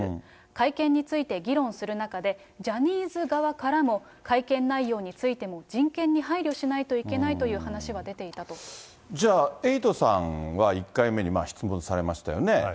会見について議論する中で、ジャニーズ側からも、会見内容についても人権に配慮しないといけないという話は出ていたじゃあ、エイトさんは１回目に質問されましたよね。